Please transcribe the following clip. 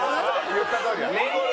言ったとおりだ。